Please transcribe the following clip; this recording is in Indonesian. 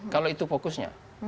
kalau itu fokusnya